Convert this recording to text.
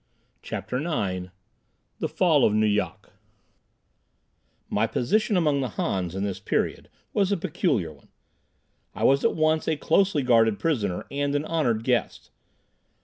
CHAPTER IX The Fall of Nu Yok My position among the Hans, in this period, was a peculiar one. I was at once a closely guarded prisoner and an honored guest.